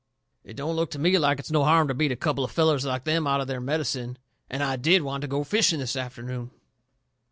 It don't look to me like it's no harm to beat a couple of fellers like them out of their medicine. And I DID want to go fishing this afternoon."